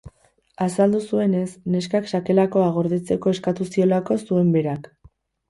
Azaldu zuenez, neskak sakelakoa gordetzeko eskatu ziolako zuen berak.